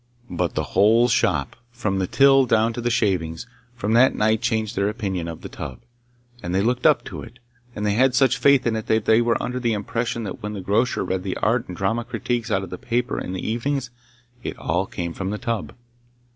But the whole shop, from the till down to the shavings, from that night changed their opinion of the tub, and they looked up to it, and had such faith in it that they were under the impression that when the grocer read the art and drama critiques out of the paper in the evenings, it all came from the tub.